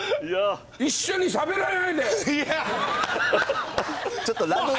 一緒にしゃべらないで。